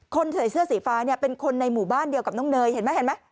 คนใส่เสื้อสีฟ้าเป็นคนในหมู่บ้านเดียวกับน้องเนยเห็นไหม